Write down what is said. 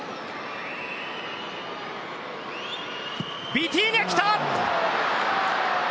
ビティーニャ、来た！